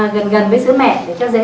gần gần với sữa mẹ để cho dễ